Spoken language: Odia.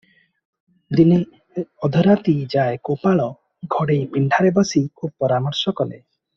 ଦିନେ ଅଧରାତି ଯାଏ ଗୋପାଳ ଘଡେଇ ପିଣ୍ଡାରେ ବସି ଖୁବ୍ ପରାମର୍ଶ କଲେ ।